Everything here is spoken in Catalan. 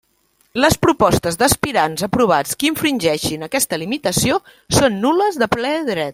Les propostes d'aspirants aprovats que infringeixin aquesta limitació són nul·les de ple dret.